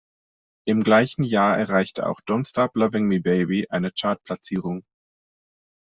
Im gleichen Jahr erreichte auch "Don't Stop Loving Me Baby" eine Chartplatzierung.